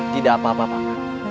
tidak apa apa paman